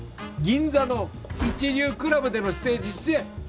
銀座の一流クラブでのステージ出演。